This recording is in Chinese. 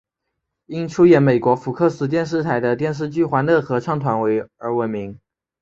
因出演美国福克斯电视台的电视剧欢乐合唱团而闻名。